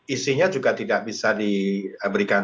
isinya juga tidak bisa diberikan